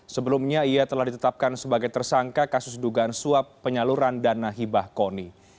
sebelumnya ia telah ditetapkan sebagai tersangka kasus dugaan suap penyaluran dana hibah koni